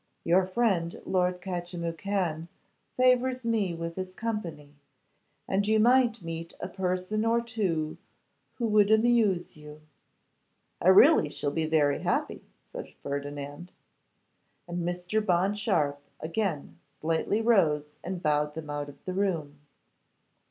Your friend Lord Catchimwhocan favours me with his company, and you might meet a person or two who would amuse you.' 'I really shall be very happy,' said Ferdinand. And Mr. Bond Sharpe again slightly rose and bowed them out of the room.